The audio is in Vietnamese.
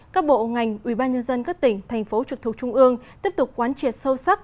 một các bộ ngành ủy ban nhân dân các tỉnh thành phố trực thuộc trung ương tiếp tục quán triệt sâu sắc